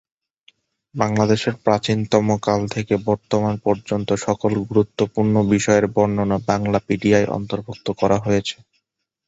বাংলাদেশের প্রাচীনতমকাল থেকে বর্তমান পর্যন্ত সকল গুরুত্বপূর্ণ বিষয়ের বর্ণনা বাংলাপিডিয়ায় অন্তর্ভুক্ত করা হয়েছে।